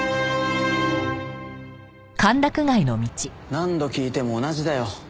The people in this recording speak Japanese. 何度聞いても同じだよ。